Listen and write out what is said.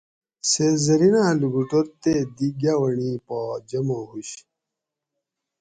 سید زریناۤں لوکوٹور تے دی گاونڑی پا جمع ہُوش